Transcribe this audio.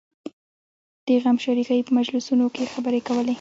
د غمشریکۍ په مجلسونو کې یې خبرې کولې.